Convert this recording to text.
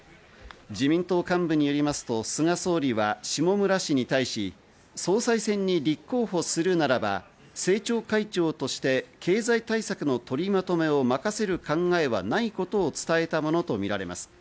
自民党幹部によりますと菅総理は下村氏に対し、総裁選に立候補するならば政調会長として経済対策の取りまとめを任せる考えはないことを伝えたものとみられます。